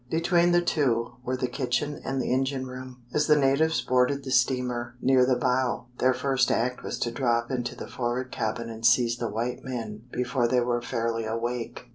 Between the two were the kitchen and the engine room. As the natives boarded the steamer near the bow, their first act was to drop into the forward cabin and seize the white men before they were fairly awake.